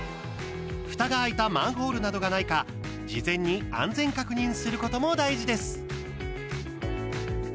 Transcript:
ふたが開いたマンホールなどがないか事前に安全確認することも大事です。